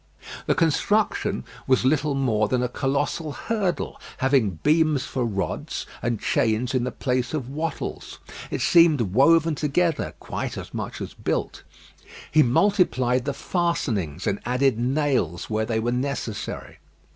The construction was little more than a colossal hurdle, having beams for rods and chains in the place of wattles. It seemed woven together, quite as much as built. He multiplied the fastenings, and added nails where they were necessary.